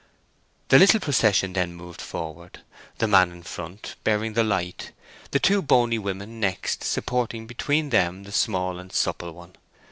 The little procession then moved forward—the man in front bearing the light, the two bony women next, supporting between them the small and supple one.